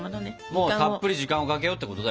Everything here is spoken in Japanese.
もうたっぷり時間をかけようってことだよね。